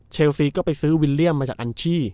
ซีก็ไปซื้อวิลเลี่ยมมาจากอัญชี่